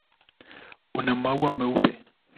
Una maua meupe.